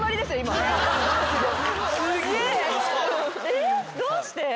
えっどうして？